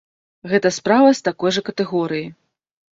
Гэта справа з такой жа катэгорыі.